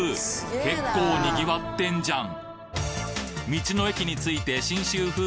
結構賑わってんじゃん！